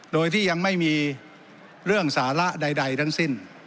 โดยที่ยังไม่มีเรื่องสาระใดทั้งสิ้น